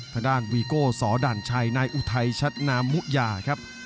ทางด้านวีโก้สอด่านชัยนายอุทัยชัดนามุยาครับ